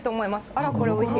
あら、これおいしい。